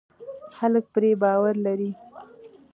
خلک پرې باور لري.